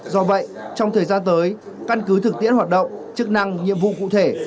do vậy trong thời gian tới căn cứ thực tiễn hoạt động chức năng nhiệm vụ cụ thể